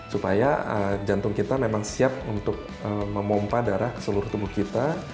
supaya jantung kita memang siap untuk memompah darah ke seluruh tubuh kita